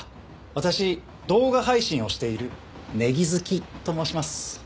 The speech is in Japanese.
私動画配信をしているネギズキと申します。